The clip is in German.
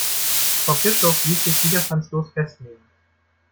Frau Bischof ließ sich widerstandslos festnehmen.